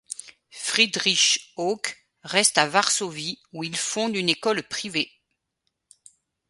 Friedrich Hauke reste à Varsovie où il fonde une école privée.